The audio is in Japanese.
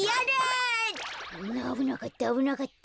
あぶなかったあぶなかった。